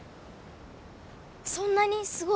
そんなにすごい？